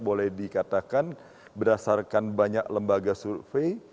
boleh dikatakan berdasarkan banyak lembaga survei